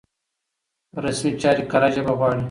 رسمي چارې کره ژبه غواړي.